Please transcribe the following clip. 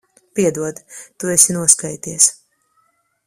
Piedod. Tu esi noskaities.